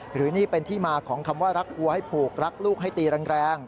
หรือนี่เป็นที่มาของคำว่ารักวัวให้ผูกรักลูกให้ตีแรง